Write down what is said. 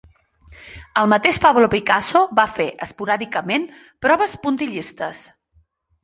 El mateix Pablo Picasso va fer esporàdicament proves puntillistes.